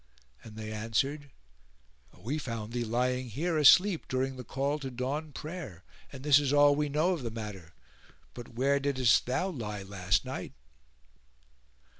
and they answered, "We found thee lying here asleep during the call to dawn prayer and this is all we know of the matter, but where diddest thou lie last night?"